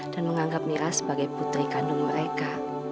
dan menganggap mira sebagai putri kandung mereka